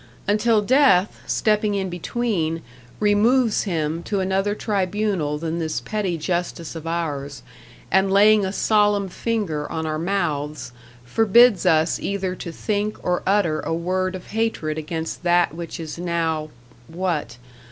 Until Death, stepping in between, removes him to another tribunal than this petty justice of ours, and laying a solemn finger on our mouths, forbids us either to think or utter a word of hatred against that which is now what?